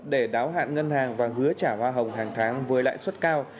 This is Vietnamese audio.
để đáo hạn ngân hàng và hứa trả hoa hồng hàng tháng với lãi suất cao